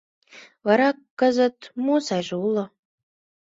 Вара кызыт мо сайже уло?